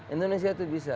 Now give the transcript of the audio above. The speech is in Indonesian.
indonesia itu bisa